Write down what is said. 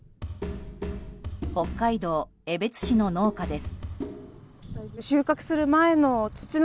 北海道江別市の農家です。